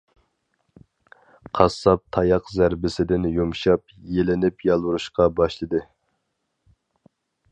قاسساپ تاياق زەربىسىدىن يۇمشاپ، يېلىنىپ يالۋۇرۇشقا باشلىدى.